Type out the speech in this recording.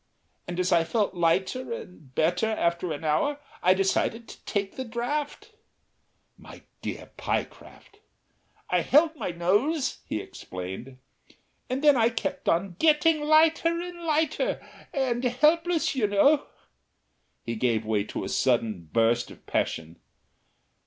"And as I felt lighter and better after an hour, I decided to take the draught." "My dear Pyecraft!" "I held my nose," he explained. "And then I kept on getting lighter and lighter and helpless, you know." He gave way to a sudden burst of passion.